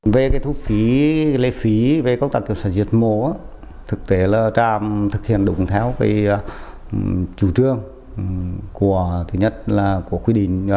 về thu phí lê phí các cơ sở giết mổ thực tế là trạm thực hiện đúng theo chủ trương của quy định